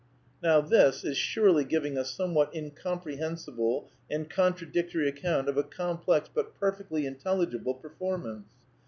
Now this is surely giving a somewhat incomprehensible and contradictory accomit of a complex but perfectly in telligible performance.